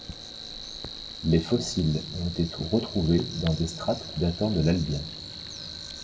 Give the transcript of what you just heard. Les fossiles ont été retrouvés dans des strates datant de l'Albien.